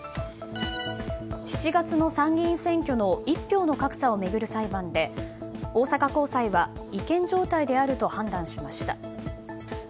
７月の参議院選挙の一票の格差を巡る裁判で大阪高裁は違憲状態であると判断しました。